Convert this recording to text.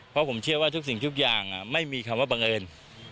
เพราะผมเชื่อว่าทุกสิ่งทุกอย่างไม่มีคำว่าบังเอิญ